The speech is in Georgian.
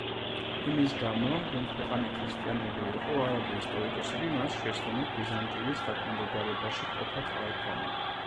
იმის გამო, რომ ქვეყანა ქრისტიანული იყო არაბი ისტორიკოსები მას შეცდომით ბიზანტიის დაქვემდებარებაში მყოფად აღიქვამენ.